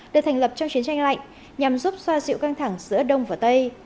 được thành lập trong chiến tranh lạnh nhằm giúp xoa dịu căng thẳng giữa đông và tây